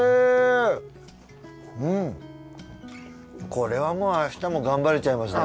これはもうあしたも頑張れちゃいますね。